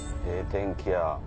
天気や。